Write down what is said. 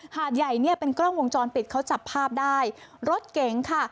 หาดใหญ่เนี่ยเป็นกล้องวงจรปิดเขาจับภาพได้รถเก๋งค่ะ